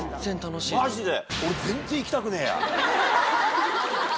マジで？